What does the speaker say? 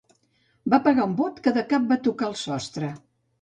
Va pegar un bot que de cap va tocar el sostre.